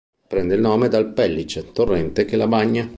Prende il nome dal Pellice, torrente che la bagna.